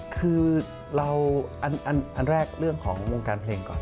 คือเราอันแรกเรื่องของวงการเพลงก่อน